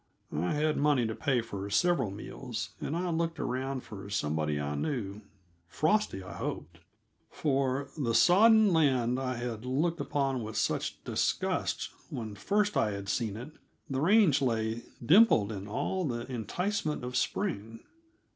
I had money to pay for several meals, and I looked around for somebody I knew; Frosty, I hoped. For the sodden land I had looked upon with such disgust when first I had seen it, the range lay dimpled in all the enticement of spring.